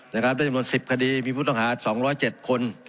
และจำนวน๑๐คดีมีผู้ต้องหา๒๐๗คน